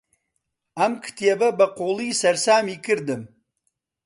ئەم کتێبە بەقووڵی سەرسامی کردم.